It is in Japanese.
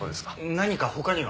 何か他には？